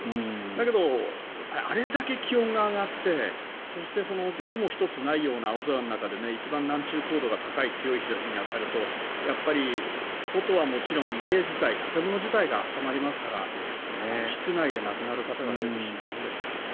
だけど、あれだけ気温が上がってそして雲一つないような青空の中で一番南中硬度が高い日差しに当たるとやっぱり外はもちろん、家自体建物自体が温まりますから室内で亡くなる方が出てしまうんですよね。